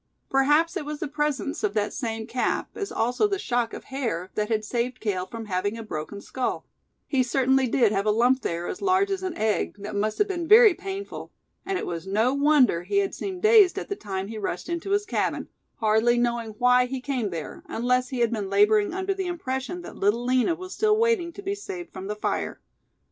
Perhaps it was the presence of that same cap, as also the shock of hair, that had saved Cale from having a broken skull; he certainly did have a lump there as large as an egg, that must have been very painful; and it was no wonder he had seemed dazed at the time he rushed into his cabin, hardly knowing why he came there, unless he had been laboring under the impression that Little Lina was still waiting to be saved from the fire.